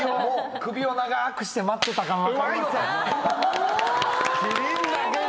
首を長ーくして待っていたかうまい。